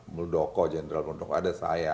muldoko jenderal muldoko ada saya